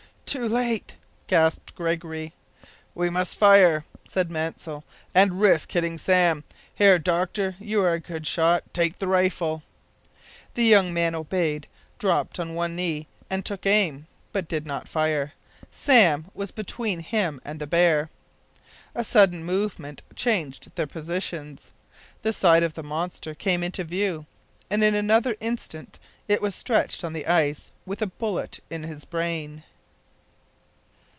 "Too late," gasped Gregory. "We must fire," said Mansell, "and risk hitting Sam. Here, doctor, you are a good shot; take the rifle." The young man obeyed, dropped on one knee, and took aim, but did not fire. Sam was between him and the bear. A sudden movement changed their positions. The side of the monster came into view, and in another instant it was stretched on the ice with a bullet in his brain.